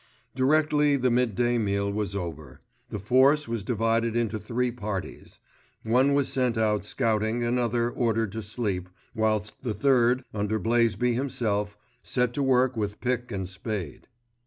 Directly the mid day meal was over, the force was divided into three parties: one was sent out scouting, another ordered to sleep, whilst the third, under Blaisby himself, set to work with pick and spade.